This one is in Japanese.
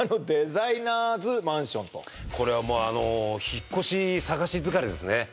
これはもうあの引っ越し探し疲れですね